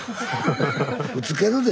ぶつけるで。